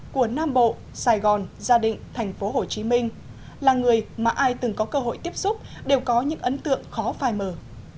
của nam bộ sài gòn gia định tp hcm là người mà ai từng có cơ hội tiếp xúc đều có những ấn tượng khó phai mở